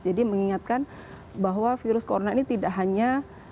jadi mengingatkan bahwa virus corona ini tidak hanya